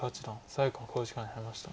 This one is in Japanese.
最後の考慮時間に入りました。